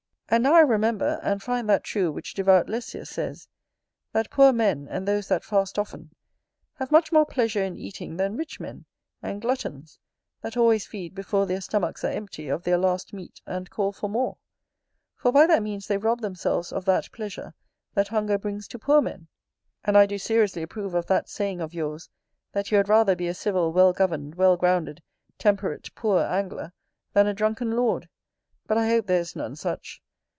And now I remember, and find that true which devout Lessius says, "that poor men, and those that fast often, have much more pleasure in eating than rich men, and gluttons, that always feed before their stomachs are empty of their last meat and call for more; for by that means they rob themselves of that pleasure that hunger brings to poor men". And I do seriously approve of that saying of yours, "that you had rather be a civil, well governed, well grounded, temperate, poor angler, than a drunken lord ": but I hope there is none such.